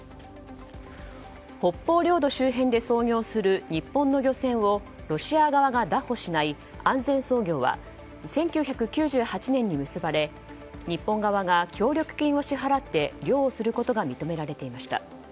北方領土周辺で操業する日本の漁船をロシア側が拿捕しない安全操業は１９９８年に結ばれ、日本側が協力金を支払って漁をすることが認められていました。